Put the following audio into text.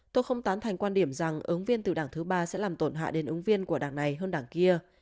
tôi không tán thành quan điểm rằng ứng viên từ đảng thứ ba sẽ làm tổn hại đến ứng viên của đảng này hơn đảng kia